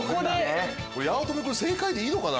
八乙女君正解でいいのかな？